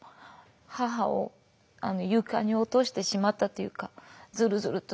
母を床に落としてしまったというかズルズルと。